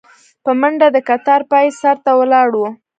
په منډه د کتار پاى سر ته ولاړو.